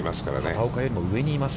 畑岡よりも上にいます。